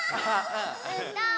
うーたん